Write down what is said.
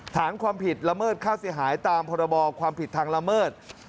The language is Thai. ฐานความผิดละเมิดค่าเสียหายตามพรบความผิดทางละเมิด